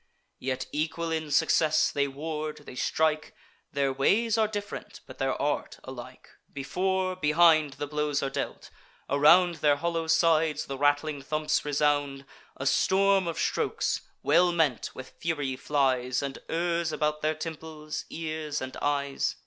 Yet equal in success, they ward, they strike; Their ways are diff'rent, but their art alike. Before, behind, the blows are dealt; around Their hollow sides the rattling thumps resound. A storm of strokes, well meant, with fury flies, And errs about their temples, ears, and eyes.